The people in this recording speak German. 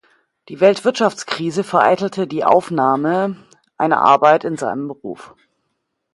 Die Weltwirtschaftskrise vereitelte die Aufnahme einer Arbeit in seinem Beruf.